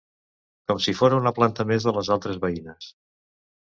Com si fóra una planta més de les altres veïnes.